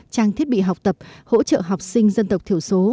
trang thiết bị học tập hỗ trợ học sinh dân tộc thiểu số